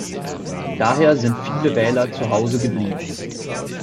Daher sind viele Wähler zuhause geblieben.